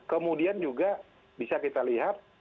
kemudian juga bisa kita lihat